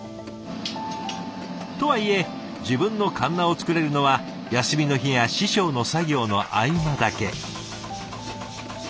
とはいえ自分のかんなを作れるのは休みの日や師匠の作業の合間だけ。